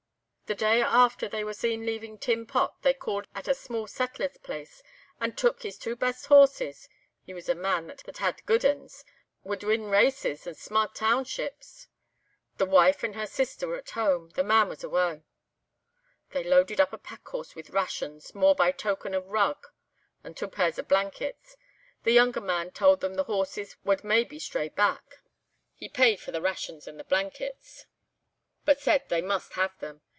"The day after they were seen leaving 'Tin Pot,' they called at a small settler's place and took his twa best horses. He was a man that had good anes, wad win races at sma' townships. "The wife and her sister were at hame, the man was awa'. "They loaded up a packhorse with rations, more by token a rug and twa pairs blankets. The younger man told them the horses wad maybe stray back. He paid for the rations and the blankets, but said they must have them.